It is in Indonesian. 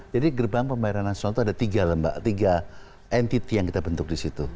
jadi gerbang pembayaran nasional itu ada tiga lembak tiga entity yang kita bentuk di situ